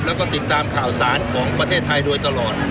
แล้วก็ติดตามข่าวสารของประเทศไทยโดยตลอด